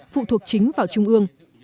phụ thuộc chính vào trung ương